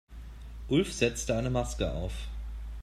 Ulf setzte eine Maske auf.